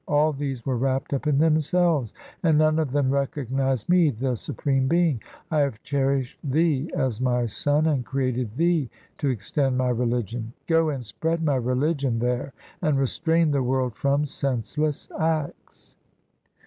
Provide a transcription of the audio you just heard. All these were wrapped up in themselves, And none of them recognized Me, the Supreme Being. I have cherished thee as My son, And created thee to extend My religion. Go and spread My religion there, And restrain the world from senseless acts.'